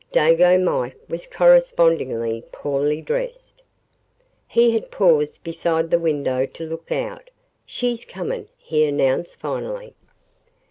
Dago Mike was correspondingly poorly dressed. He had paused beside the window to look out. "She's coming," he announced finally.